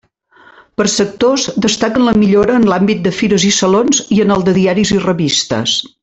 Per sectors, destaquen la millora en l'àmbit de fires i salons i en el de diaris i revistes.